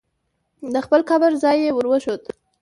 د خپل قبر ځای یې ور وښود.